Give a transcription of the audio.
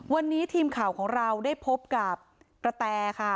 วันนี้ทีมข่าวของเราได้พบกับกระแตค่ะ